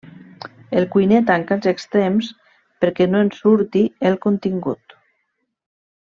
El cuiner tanca els extrems perquè no en surti el contingut.